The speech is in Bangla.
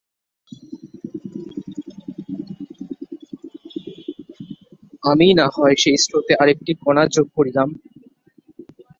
আমিই নাহয় সেই স্রোতে আর-একটি কণা যোগ করিয়া দিলাম।